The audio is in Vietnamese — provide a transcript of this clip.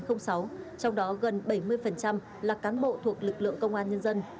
trong đó gần bảy mươi là cán bộ thuộc lực lượng công an nhân dân